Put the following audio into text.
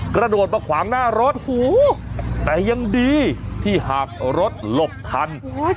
กระโดดมาขวางหน้ารถแต่ยังดีที่หากรถหลบทัน